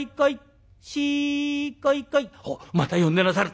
「おっまた呼んでなさる」。